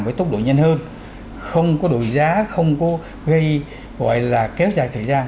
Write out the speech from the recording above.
với tốc độ nhanh hơn không có đổi giá không có gây gọi là kéo dài thời gian